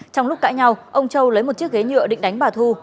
trong lúc cãi nhau ông châu lấy một chiếc ghế nhựa định đánh bà thu